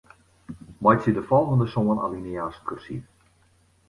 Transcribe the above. Meitsje de folgjende sân alinea's kursyf.